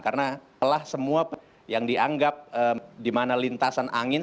karena telah semua yang dianggap di mana lintasan angin